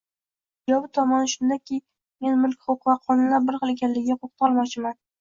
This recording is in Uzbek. Ijobiy tomoni shundaki, men mulk huquqi va qonunlar bir xil ekanligiga to'xtalmoqchiman